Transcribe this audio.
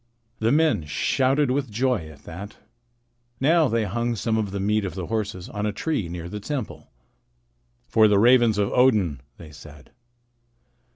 The men shouted with joy at that. Now they hung some of the meat of the horses on a tree near the temple. "For the ravens of Odin," they said.